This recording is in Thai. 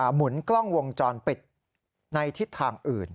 หมุนกล้องวงจรปิดในทิศทางอื่น